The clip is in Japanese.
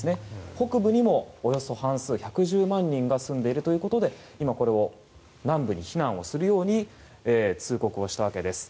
北部にもおよそ半数１１０万人が住んでいて今、南部に避難をするように通告をしたわけです。